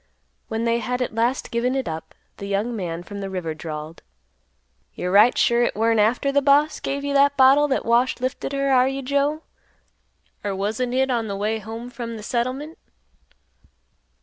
When they had at last given it up, the young man from the river drawled, "You're right sure hit weren't after th' boss give you that bottle that Wash lifted her, are you Joe? Or wasn't hit on th' way home from th' settlement?"